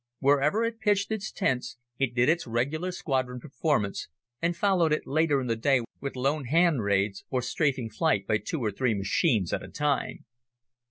Wherever it pitched its tents it did its regular squadron performance, and followed it later in the day with lone hand raids, or "strafing" flight by two or three machines at a time.